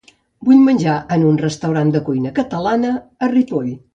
Vull menjar en un restaurant de cuina catalana a Ripoll.